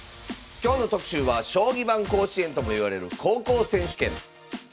今日の特集は将棋版甲子園ともいわれる高校選手権。